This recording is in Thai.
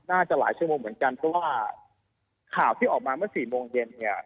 น่าจะหลายชั่วโมงเหมือนกันเพราะว่าข่าวที่ออกมาเมื่อสี่โมงเย็นเนี่ย